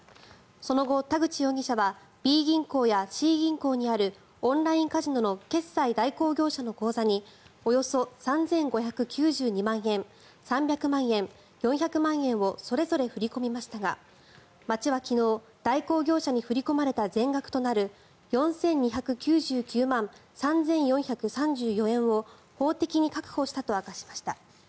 その後、田口容疑者はＢ銀行やＣ銀行にあるオンラインカジノの決済代行業者の口座におよそ３５９２万円３００万円、４００万円をそれぞれ振り込みましたが町は昨日代行業者に振り込まれた全額となる４２９９万３４３４円を法的に確保したと明かしました。